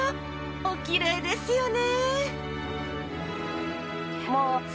おきれいですよね。